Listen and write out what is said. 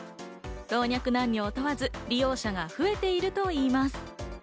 老若男女問わず、利用者が増えているといいます。